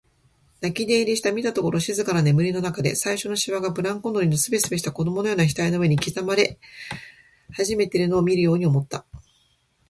泣き寝入りした、見たところ静かな眠りのなかで、最初のしわがブランコ乗りのすべすべした子供のような額の上に刻まれ始めているのを見るように思った。